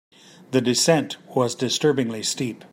The descent was disturbingly steep.